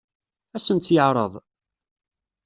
Ad sen-tt-yeɛṛeḍ?